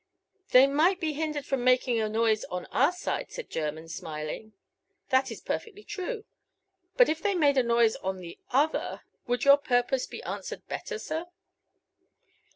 "They might be hindered from making a noise on our side," said Jermyn, smiling. "That is perfectly true. But if they made a noise on the other would your purpose be answered better, sir?"